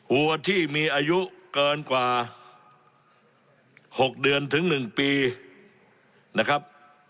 วัวที่มีอายุเกินกว่า๖เดือนถึง๑ปีนะครับ